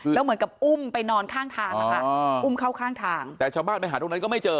แล้วเหมือนกับอุ้มไปนอนข้างทางนะคะอุ้มเข้าข้างทางแต่ชาวบ้านไปหาตรงนั้นก็ไม่เจอ